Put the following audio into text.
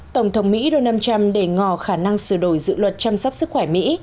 tổng thống mỹ donald trump để ngò khả năng sửa đổi dự luật chăm sóc sức khỏe mỹ